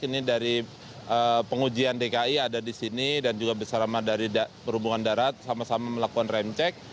ini dari pengujian dki ada di sini dan juga bersama dari perhubungan darat sama sama melakukan rem cek